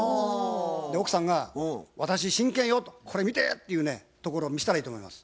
奥さんが「私真剣よ」と「これ見て」っていうねところを見せたらいいと思います。